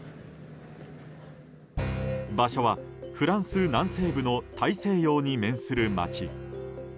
場所はフランス南西部の大西洋に面する街。